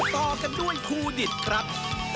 ต่อกันด้วยครูดิตครับ